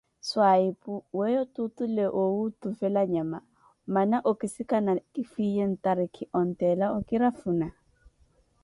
Swayipwu, weeyo tuutule owuuttuvela nyama, mmana okisikana kifhwiye ntarikhi, ontteela okirafhuna?